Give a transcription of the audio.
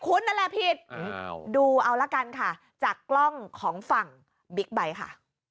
คุณนั่นแหละผิดดูเอาละกันค่ะจากกล้องของฝั่งบิ๊กไบท์ค่ะ